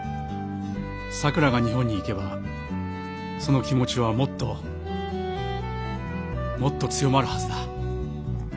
さくらが日本に行けばその気持ちはもっともっと強まるはずだ。